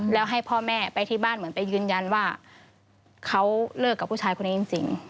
แล้วให้พ่อแม่ไปที่บ้านเหมือนไปยืนยันว่าเขาเลิกกับผู้ชายคนนี้จริง